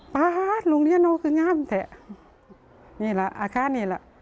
ป๊า๊ดโรงเรียนนี่ก็งามแท้นี่ล่ะอาคารนี่ล่ะ